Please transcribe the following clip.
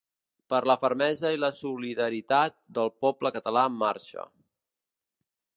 Per la fermesa i la solidaritat del poble català en marxa.